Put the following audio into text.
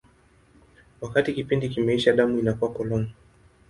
Wakati kipindi kimeisha, damu inakuwa polong.